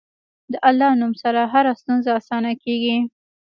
د الله نوم سره هره ستونزه اسانه کېږي.